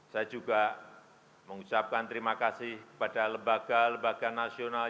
saya juga mengucapkan terima kasih kepada lembaga lembaga nasional